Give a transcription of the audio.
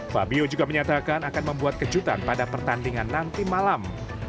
fabio juga menyatakan akan membuat kejutan pada pertandingan nanti malam